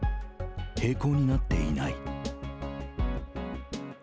平行になっていない。